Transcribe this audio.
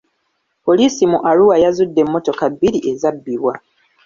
Poliisi mu Arua yazudde emmotoka bbiri ezabbibwa.